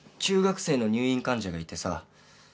中学生の入院患者がいてさ。